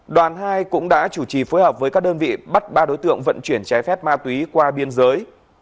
đoàn hai cũng đã chủ trì phối hợp với các đơn vị bắt ba đối tượng vận chuyển trái phép ma túy qua biên giới